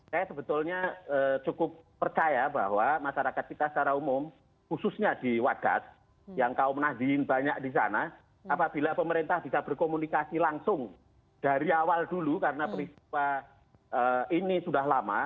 saya sebetulnya cukup percaya bahwa masyarakat kita secara umum khususnya di wadas yang kaum nahdin banyak di sana apabila pemerintah bisa berkomunikasi langsung dari awal dulu karena peristiwa ini sudah lama